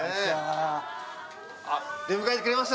出迎えてくれました。